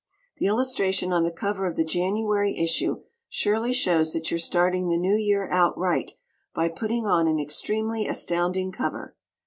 The illustration on the cover of the January issue surely shows that you're starting the new year out right by putting on an extremely astounding cover.